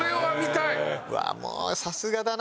もうさすがだな。